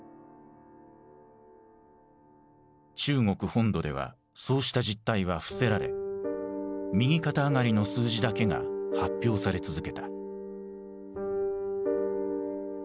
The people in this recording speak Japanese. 中国本土ではそうした実態は伏せられ右肩上がりの数字だけが発表され続けた。